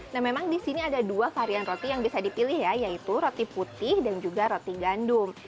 nah memang di sini ada dua varian roti yang bisa dipilih ya yaitu roti putih dan juga roti gandum